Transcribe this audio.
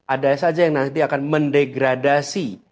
ada saja yang nanti akan mendegradasi